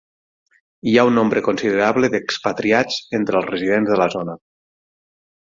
Hi ha un nombre considerable de expatriats entre els residents de la zona.